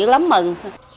rất lắm mừng